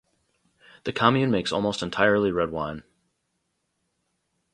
The commune makes almost entirely red wine.